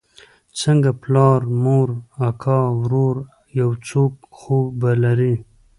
څنگه پلار مور اکا ورور يو څوک خو به لرې.